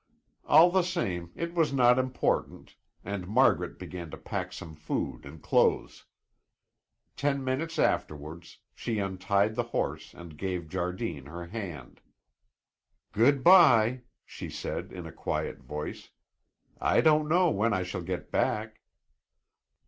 All the same, it was not important and Margaret began to pack some food and clothes. Ten minutes afterwards, she untied the horse and gave Jardine her hand. "Good bye," she said in a quiet voice. "I don't know when I shall get back."